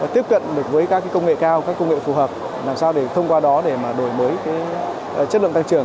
tiếp cận được với các công nghệ cao các công nghệ phù hợp làm sao để thông qua đó để đổi mới chất lượng tăng trưởng